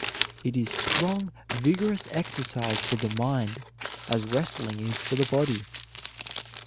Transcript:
It is strong, vigorous exercise for the mind as wrestling is for the body.